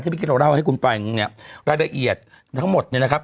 ที่วิกิจเราเล่าให้คุณไปรายละเอียดทั้งหมดเนี่ยนะครับ